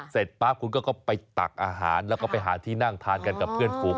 เสร็จปั๊บคุณก็ไปตักอาหารแล้วก็ไปหาที่นั่งทานกันกับเพื่อนฝูง